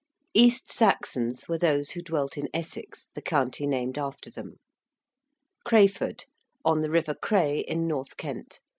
~East Saxons~ were those who dwelt in Essex, the county named after them. ~Crayford~: on the river Cray in north Kent.